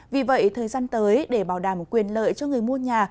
vì vậy thời gian tới để bảo đảm quyền lợi cho người mua nhà